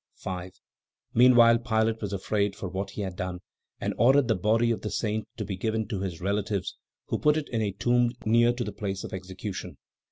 5. Meanwhile, Pilate was afraid for what he had done, and ordered the body of the Saint to be given to his relatives, who put it in a tomb near to the place of execution.